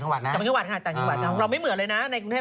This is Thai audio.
มาคิดกันใหม่อีกก่อน